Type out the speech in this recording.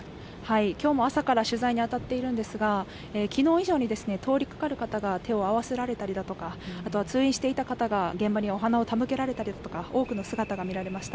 今日も朝から取材に当たっているんですが昨日以上に通りかかる方が手を合わせられたりとか、通院していた方が現場にお花を手向けられたりとか多くの姿がみられました。